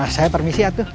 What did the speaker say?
saya permisi atuh